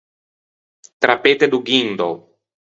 Trappette do ghindao.